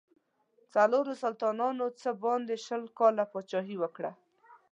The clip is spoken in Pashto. څلورو سلطانانو یې څه باندې شل کاله پاچهي وکړه.